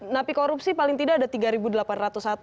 napi korupsi paling tidak ada